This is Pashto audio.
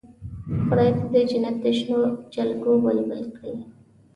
خدای دې د جنت د شنو جلګو بلبل کړي.